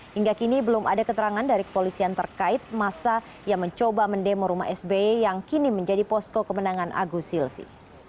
hingga kini belum ada keterangan dari kepolisian terkait masa yang mencoba mendemo rumah sby yang kini menjadi posko kemenangan agus silvi